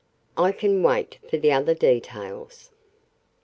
"I can wait for the other details."